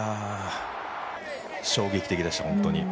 衝撃的でした、本当に。